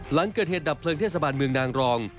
หลังเกิดเหตุดับเพลิงเทศบาลเมืองนางรอง